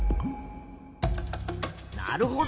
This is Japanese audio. なるほど。